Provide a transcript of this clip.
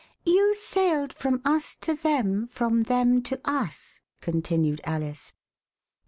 *' You sailed from us to them, from them to us," continued Alice.